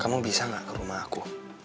kamu bisa nggak ke rumah aku